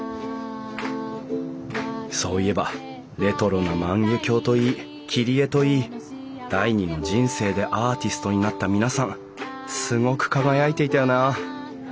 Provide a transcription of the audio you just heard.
そういえばレトロな万華鏡といい切り絵といい第２の人生でアーティストになった皆さんすごく輝いていたよな。